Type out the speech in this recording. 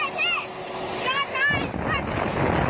เบี้ยเบี้ยจอดไหน